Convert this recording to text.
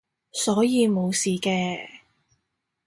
所以冇事嘅